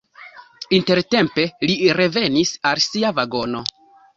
Intertempe li revenis al sia vagono.